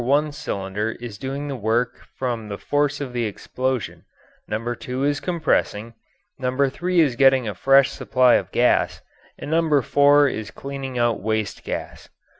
1 cylinder is doing the work from the force of the explosion, No. 2 is compressing, No. 3 is getting a fresh supply of gas, and No. 4 is cleaning out waste gas.